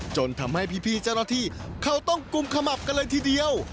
จนทำให้พี่เจ้าหน้าที่เขาต้องกุมขมับกันเลยทีเดียว